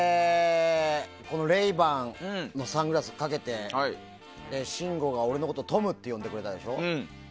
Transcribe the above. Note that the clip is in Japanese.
レイバンのサングラスをかけて信五が俺のことをトムって呼んでくれたでしょ。